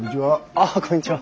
あっこんにちは。